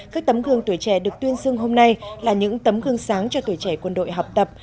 các tấm gương tuổi trẻ được tuyên dương hôm nay là những tấm gương sáng cho tuổi trẻ quân đội học tập